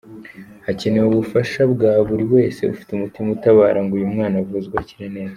Hakenewe ubufasha bwa buri wese ufite umutima utabara ngo uyu mwana avuzwe akire neza.